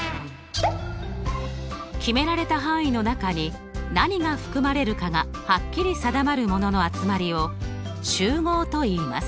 決められた範囲の中に何が含まれるかがはっきり定まるものの集まりを集合といいます。